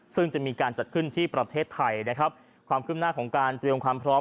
ซึ่งจะมีการจัดขึ้นที่ประเทศไทยนะครับความคืบหน้าของการเตรียมความพร้อม